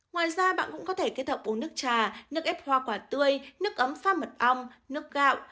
ngoài ra bạn cũng có thể kết hợp uống nước trà nước ép hoa quả tươi nước ấm pha mật ong nước gạo